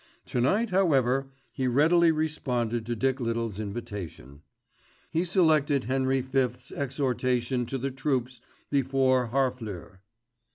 To night, however, he readily responded to Dick Little's invitation. He selected Henry V's exhortation to the troops before Harfleur.